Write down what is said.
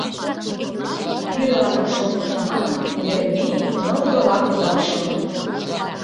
Пирыланак шотлышт манын, Еремей нылйола кудал шылын.